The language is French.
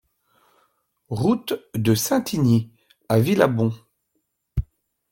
Route de Saint-Igny à Villabon